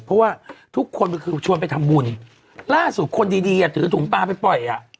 เพราะว่าทุกคนก็คือชวนไปทำบุญล่าสุดคนดีดีอ่ะถือถุงปลาไปปล่อยอ่ะ